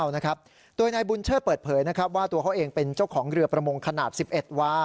โดยนายบุญเชิดเปิดเผยนะครับว่าตัวเขาเองเป็นเจ้าของเรือประมงขนาด๑๑วา